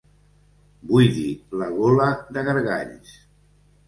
Buidi la gola de gargalls.